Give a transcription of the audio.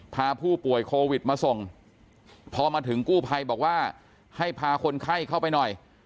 พาผู้ป่วยโควิดมาส่งพอมาถึงกู้ภัยบอกว่าให้พาคนไข้เข้าไปหน่อย